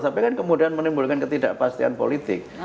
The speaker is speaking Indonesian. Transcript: tapi kan kemudian menimbulkan ketidakpastian politik